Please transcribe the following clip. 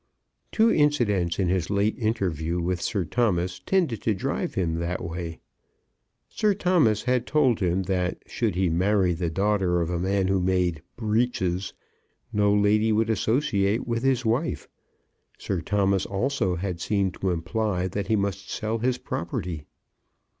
Two incidents in his late interview with Sir Thomas tended to drive him that way. Sir Thomas had told him that should he marry the daughter of a man who made breeches, no lady would associate with his wife. Sir Thomas also had seemed to imply that he must sell his property.